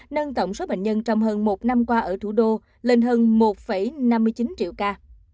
nâng tổng số bệnh nhân trong hơn một năm qua ở thủ đô lên hơn một năm mươi chín triệu ca